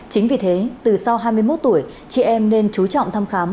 chính vì thế từ sau hai mươi một tuổi chị em nên chú trọng thăm khám